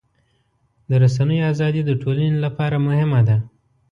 د رسنیو ازادي د ټولنې لپاره مهمه ده.